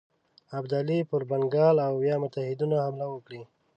ابدالي پر بنګال او یا متحدینو حمله وکړي.